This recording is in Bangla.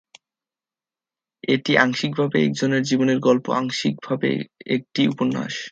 এটি আংশিকভাবে একজনের জীবনের গল্প, আংশিকভাবে একটি উপন্যাস।